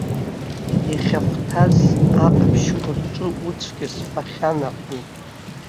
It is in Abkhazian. Иахьахәҭаз аҟаԥшьқәа рҿы уцәгьа сҳәахьан аҟнытә.